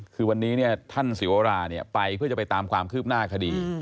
คือวันนี้ท่านศิวราไปเพื่อจะไปตามความคืบหน้าคดี